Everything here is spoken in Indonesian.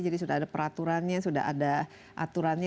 jadi sudah ada peraturannya sudah ada aturannya